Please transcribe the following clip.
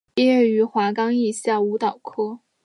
毕业于华冈艺校舞蹈科。